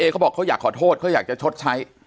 เขาบอกเขาอยากขอโทษเขาอยากจะชดใช้